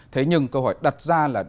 thế nhưng câu hỏi của chúng tôi là